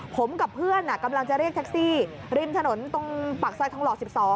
ผมกับเพื่อนกำลังจะเรียกแท็กซี่ริมถนนตรงปากซอยทองหล่อ๑๒